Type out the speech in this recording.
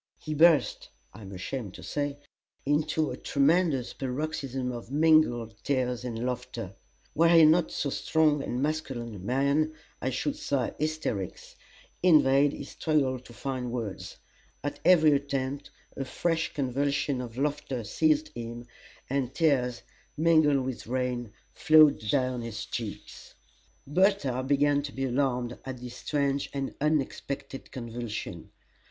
He burst I am ashamed to say into a tremendous paroxysm of mingled tears and laughter: were he not so strong and masculine a man, I should say, "hysterics." In vain he struggled to find words. At every attempt a fresh convulsion of laughter seized him, and tears, mingled with rain, flowed down his cheeks. Bertha began to be alarmed at this strange and unexpected convulsion.